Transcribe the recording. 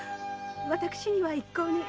私には一向に。